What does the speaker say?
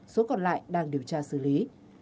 số còn lại đang điều tra xử lý